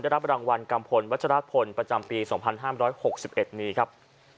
รับรางวัลกัมพลวัชรพลประจำปี๒๕๖๑นี้ครับ